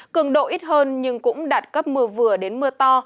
cường độ ít hơn nhưng cũng đạt cấp mưa vừa đến mưa to